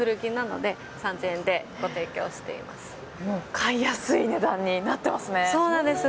買いやすい値段になっていますね！